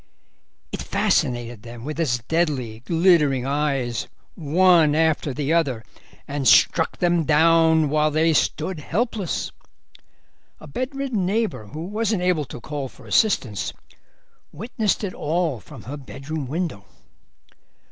"It fascinated them with its deadly, glittering eyes, one after the other, and struck them down while they stood helpless. A bedridden neighbour, who wasn't able to call for assistance, witnessed it all from her bedroom window."